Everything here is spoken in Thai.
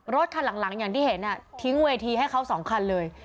รถคันหลังอย่างที่เห็นทิ้งเวทีให้เขา๒คันเลย